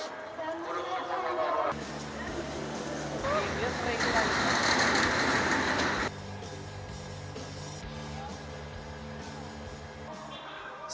oke dia sering lagi